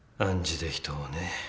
暗示で人をねぇ。